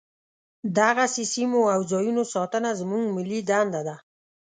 دغسې سیمو او ځاینونو ساتنه زموږ ملي دنده ده.